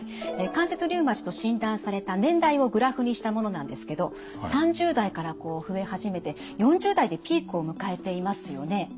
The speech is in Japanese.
関節リウマチと診断された年代をグラフにしたものなんですけど３０代からこう増え始めて４０代でピークを迎えていますよね。